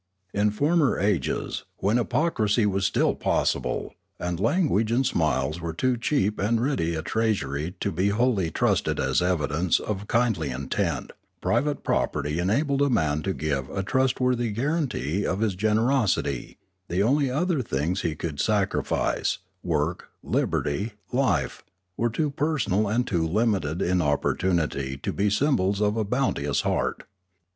In former ages, when hypocrisy was still possible, and language and smiles were too cheap and ready a treasury to be wholly trusted as evidence of kindly intent, private property enabled a man to give a trustworthy guaranty of his generosity; the only other things he could sacrifice, work, liberty, life, were too personal and too limited in opportunity to be symbols of a bounteous heart.